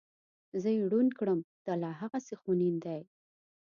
زه یې ړوند کړم دا لا هغسې خونین دی.